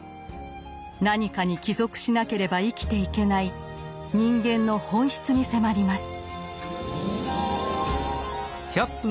何かに帰属しなければ生きていけない人間の本質に迫ります。